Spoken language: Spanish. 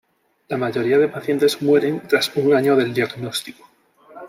La mayoría de pacientes mueren tras un año del diagnostico.